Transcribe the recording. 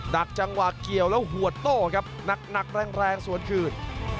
ักจังหวะเกี่ยวแล้วหัวโต้ครับหนักแรงสวนคืน